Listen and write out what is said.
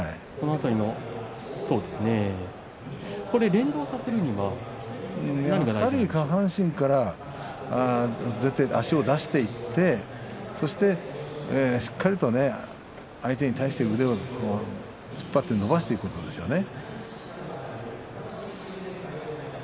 連動させるにはやはり下半身から出て足を出していってそしてしっかりと、相手に対して腕を突っ張って伸ばしていくことですよね。